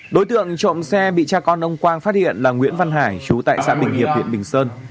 đối tượng trộm xe bị cha con ông quang phát hiện là nguyễn văn hải chú tại xã bình hiệp huyện bình sơn